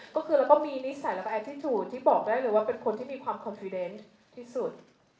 ก็คือเราก็มีนิสัยและแอทิตุที่บอกได้เลยว่าเป็นคนที่มีความความคอนฟิเดนต์ที่สุด